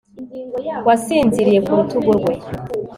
Wasinziriye ku rutugu rwe